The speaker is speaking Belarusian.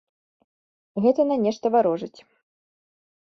Гэта на нешта варожыць.